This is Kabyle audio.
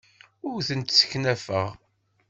Ur tent-sseknafeɣ.